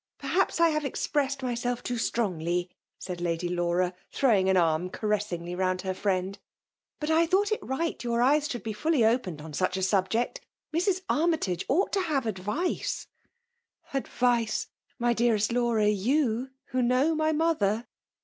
Perhaps I have expressed my sdf too strongly/* said Lady Lanra, throwing her arm caressingly round her firiend ;" but I thought it right your eyes shottld be fiilly opened on such a subject Mrs. Armytage ought to have adirice/' " Adrioe ! My dearest Laura !— yea, who know my mother